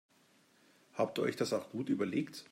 Habt ihr euch das auch gut überlegt?